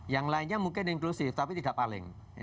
yang lainnya mungkin inklusif tapi tidak paling